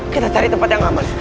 kita cari tempat yang aman